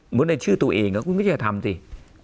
เหมือนในชื่อตัวเองอ่ะคุณก็จะทำสิอ๋อ